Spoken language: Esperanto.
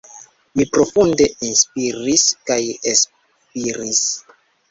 Mi profunde enspiris kaj elspiris.